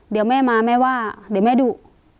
เดี๋ยวแม่มาแม่ว่าเดี๋ยวแม่ดุ